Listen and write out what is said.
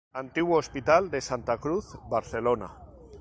Antiguo Hospital de la Santa Cruz, Barcelona.